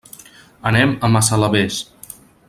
Anem a Massalavés.